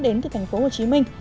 đến từ thành phố hồ chí minh